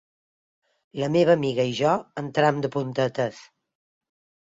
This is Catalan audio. La meva amiga i jo entrem de puntetes.